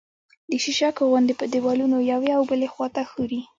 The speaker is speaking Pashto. د شیشکو غوندې په دېوالونو یوې او بلې خوا ته ښوري